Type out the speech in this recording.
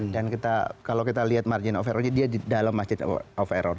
dan kalau kita lihat margin of errornya dia di dalam margin of error